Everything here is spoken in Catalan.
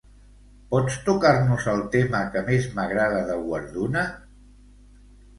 Pots tocar-nos el tema que més m'agrada de Warduna?